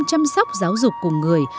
chăm sóc giáo dục của người